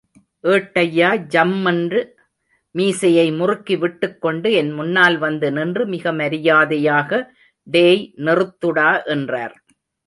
ஏட்டய்யா ஜம்மென்று மீசையை முறுக்கிவிட்டுக்கொண்டு என்முன்னால் வந்து நின்று மிக மரியாதையாக, டேய் நிறுத்துடா என்றார்.